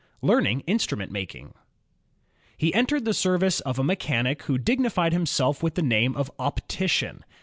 Learning Instrument Making He entered the service of a mechanic who dignified him self with the name of " optician."